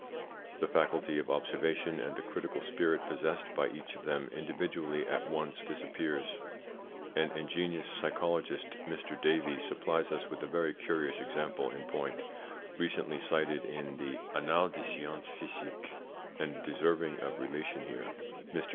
The faculty of observation and the critical spirit possessed by each of them individually at once disappears. An ingenious psychologist, Mr. Davey, supplies us with a very curious example in point, recently cited in the Annales des Sciences Psychiques, and deserving of relation here. Mr.